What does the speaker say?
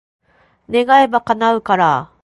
願えば、叶うから。